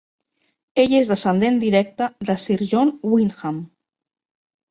Ell és descendent directe de Sir John Wyndham.